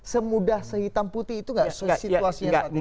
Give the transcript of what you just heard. semudah sehitam putih itu gak sesituasinya